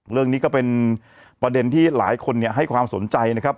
เรื่องนี้ก็เป็นประเด็นที่หลายคนให้ความสนใจนะครับ